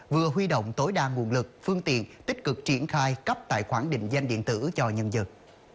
vừa huy động tối đa nguồn lực phương tiện tích cực triển khai cấp tài khoản định danh điện tử cho nhân dân